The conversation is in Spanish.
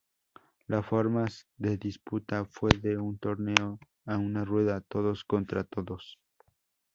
La forma de disputa fue de un torneo a una rueda todos contra todos.